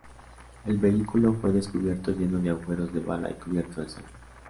El vehículo fue descubierto lleno de agujeros de bala y cubierto de sangre.